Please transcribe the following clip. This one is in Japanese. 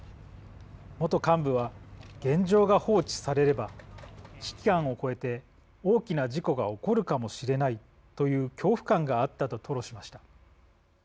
元幹部は、現状が放置されれば危機感を超えて大きな事故が起こるかもしれないという恐怖感があったと吐露しました。